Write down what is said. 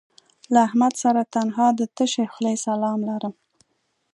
له احمد سره تنها د تشې خولې سلام لرم